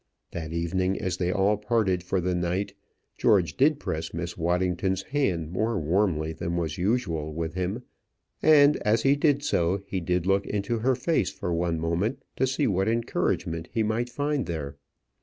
That evening, as they all parted for the night, George did press Miss Waddington's hand more warmly than was usual with him; and, as he did so, he did look into her face for one moment to see what encouragement he might find there.